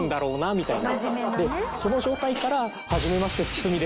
みたいな。